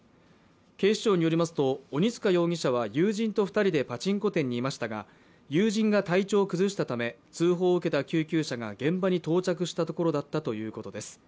警視庁によりますと鬼束容疑者は、友人と２人でパチンコ店にいましたが、友人が体調を崩したため通報を受けた救急車が現場に到着したところだったということです。